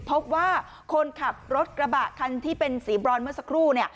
พบว่าคนขับรถกระบะคันที่เป็นสีบรอนเมื่อสักครู่